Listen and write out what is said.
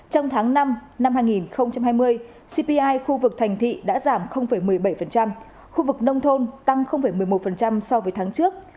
trong tháng năm năm hai nghìn hai mươi cpi khu vực thành thị đã giảm một mươi bảy khu vực nông thôn tăng một mươi một so với tháng trước